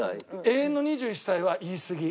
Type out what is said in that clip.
永遠の２１歳は言いすぎ。